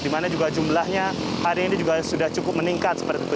dimana juga jumlahnya hari ini juga sudah cukup meningkat seperti itu